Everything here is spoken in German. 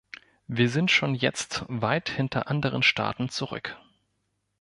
Wir sind schon jetzt weit hinter anderen Staaten zurück.